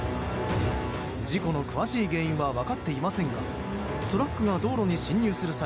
事故の詳しい原因は分かっていませんがトラックが道路に進入する際